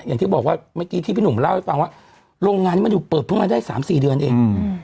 อย่างที่บอกว่าเมื่อกี้ที่พี่หนุ่มเล่าให้ฟังว่าโรงงานนี้มันอยู่เปิดเพิ่งมาได้๓๔เดือนเอง